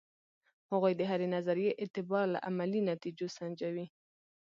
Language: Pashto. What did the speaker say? هغوی د هرې نظریې اعتبار له عملي نتیجو سنجوي.